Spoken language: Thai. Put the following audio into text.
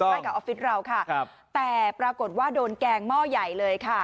ใกล้กับออฟฟิศเราค่ะครับแต่ปรากฏว่าโดนแกงหม้อใหญ่เลยค่ะ